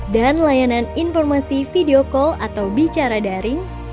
dan layanan informasi video call atau bicara daring